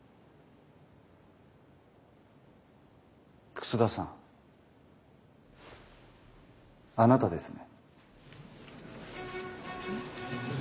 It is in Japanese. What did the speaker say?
楠田さんあなたですね？